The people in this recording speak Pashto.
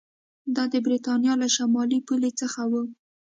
دا د برېټانیا له شمالي پولې څخه و